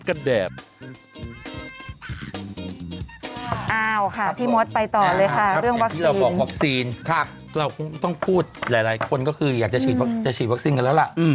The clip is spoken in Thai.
อย่างที่เราบอกวัคซีนเราคงต้องพูดหลายคนก็คืออยากจะฉีดวัคซีนกันแล้วล่ะ